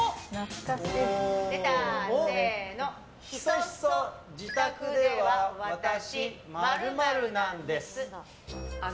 ひそひそ自宅では私○○なんです。